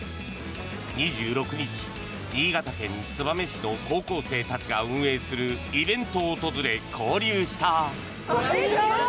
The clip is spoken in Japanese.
２６日、新潟県燕市の高校生たちが運営するイベントを訪れ、交流した。